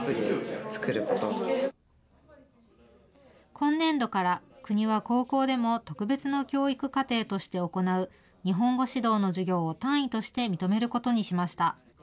今年度から国は高校でも特別の教育課程として行う、日本語指導の授業を単位として認めることにしました。